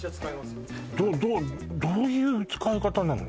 どうどういう使い方なの？